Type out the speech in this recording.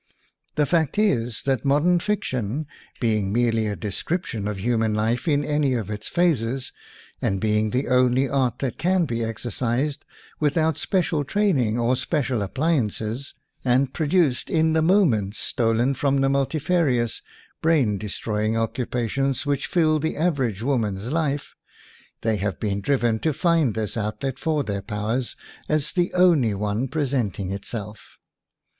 The fact is that modern fiction, WOMAN AND WAR being merely a description of human life in any of its phases, and being the only art that can be exercised without special training or special appliances, and produced in the moments stolen from the multifarious, brain destroying occupations which fill the average woman's life, they have been driven to find this outlet for their powers as the only one presenting itself.